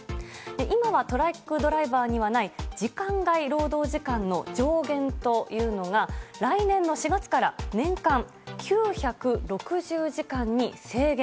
今はトラックドライバーにはない時間外労働時間の上限というのが来年の４月から年間９６０時間に制限。